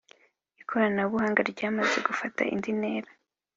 ikoranabuhanga ryamaze gufata indi ntera